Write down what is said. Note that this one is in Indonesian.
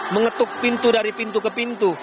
mengetuk pintu dari pintu ke pintu